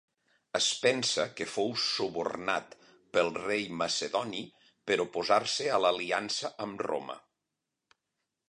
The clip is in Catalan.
Es pensa que fou subornat pel rei macedoni per oposar-se a l'aliança amb Roma.